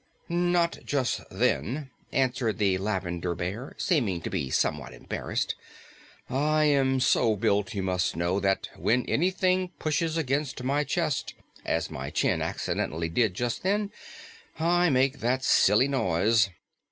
"Not just then," answered the Lavender Bear, seeming to be somewhat embarrassed. "I am so built, you must know, that when anything pushes against my chest, as my chin accidentally did just then, I make that silly noise.